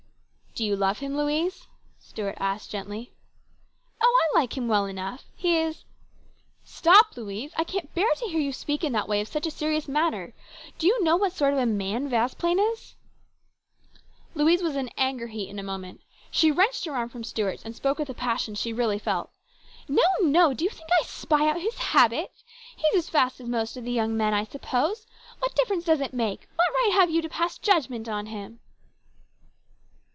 " Do you love him, Louise ?" Stuart asked gently. " Oh, I like him well enough. He is " Stop, Louise ! I can't bear to hear you speak in that way of such a serious matter. Do you know what sort of a man Vasplaine is ?" Louise was at anger heat in a moment. She wrenched her arm from Stuart's and spoke with a passion she really felt. " No ! no ! Do you think I spy out his habits ? He's as fast as most of the young men, I suppose. What difference does it 218 HIS BROTHER'S KEEPER. make? What right have you to pass judgment on him